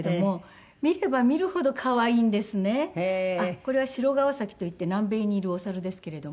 これはシロガオサキといって南米にいるお猿ですけれども。